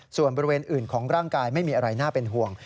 ส่วนบริเวณอื่นของร่างกายไม่มีอะไรน่าเป็นห่วง